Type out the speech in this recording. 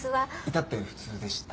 至って普通でした。